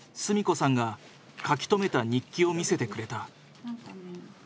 純子さんが書き留めた日記を見せてくれた。